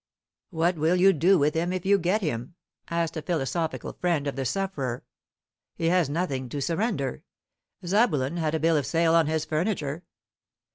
"What will you do with him, if you get him?" asked a philosophical friend of the sufferer. "He has nothing to surrender. Zabulon had a bill of sale on his furniture."